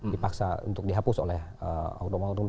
dipaksa untuk dihapus oleh eh orang lain